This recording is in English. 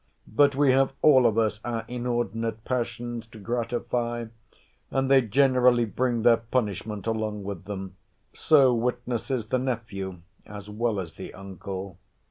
—But we have all of us our inordinate passions to gratify: and they generally bring their punishment along with them—so witnesses the nephew, as well as the uncle.